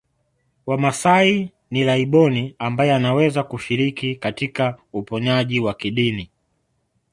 Wamasai ni laibon ambaye anaweza kushiriki katika uponyaji wa kidini